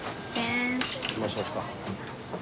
行きましょうか。